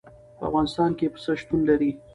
په افغانستان کې پسه شتون لري.